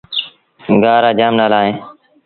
گآه رآ جآم نآلآ اهيݩ۔